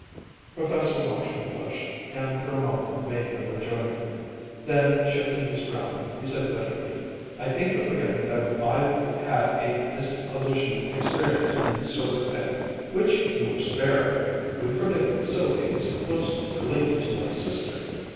Professor Marshall flushed, and for a moment made no rejoinder. Then, shifting his ground, he said bitterly: "I think you're forgetting that I've had a disillusionizing experience in this sort of thing which you were spared. You forget that Sylvia is closely related to my sister."